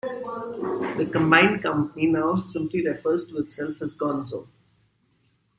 The combined company now simply refers to itself as Gonzo.